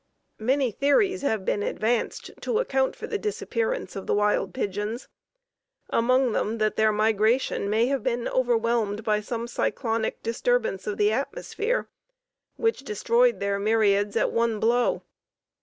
Many theories have been advanced to account for the disappearance of the wild pigeons, among them that their migration may have been overwhelmed by some cyclonic disturbance of the atmosphere which destroyed their myriads at one blow.